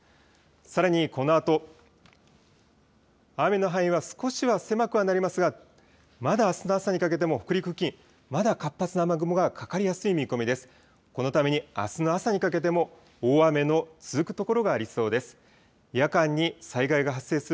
さらにこのあと、雨の範囲は少しは狭くはなりますがまだあすの朝にかけても北陸付近、まだ活発な雨雲がかかりやすい見込みです。